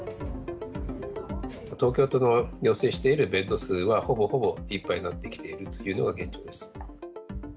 東京都の要請しているベッド数は、ほぼほぼいっぱいになってきているというのが現状です。